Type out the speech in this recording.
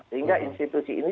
sehingga institusi ini